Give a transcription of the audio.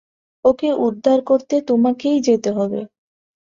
ওকে উদ্ধার করতে তোমাকেই যেতে হবে।